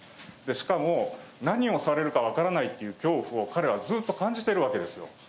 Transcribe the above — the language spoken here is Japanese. しかも何をされるか分からないという恐怖を彼はずっと感じているわけですよ。